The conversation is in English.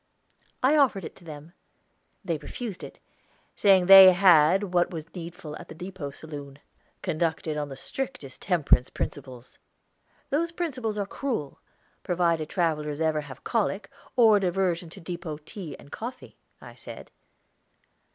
I offered it to them. They refused it, saying they had had what was needful at the Depot Saloon, conducted on the strictest temperance principles. "Those principles are cruel, provided travelers ever have colic, or an aversion to Depot tea and coffee," I said.